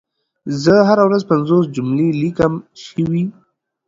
زه هره ورځ پنځوس جملي ليکم شوي